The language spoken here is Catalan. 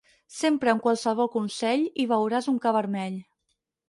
Sempre, en qualsevol consell, hi veuràs un ca vermell.